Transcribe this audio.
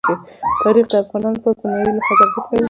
تاریخ د افغانانو لپاره په معنوي لحاظ ارزښت لري.